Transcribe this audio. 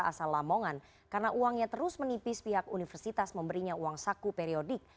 asal lamongan karena uangnya terus menipis pihak universitas memberinya uang saku periodik